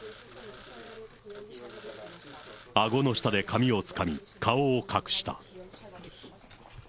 あごの下で髪をつかみ、顔を隠した。